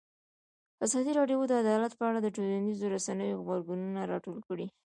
ازادي راډیو د عدالت په اړه د ټولنیزو رسنیو غبرګونونه راټول کړي.